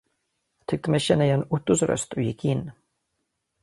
Jag tyckte mig känna igen Ottos röst och gick in.